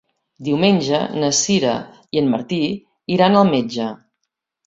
Diumenge na Sira i en Martí iran al metge.